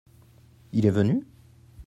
Il est venu ?